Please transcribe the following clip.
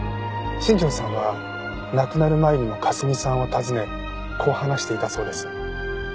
新庄さんは亡くなる前にも香澄さんを訪ねこう話していたそうです。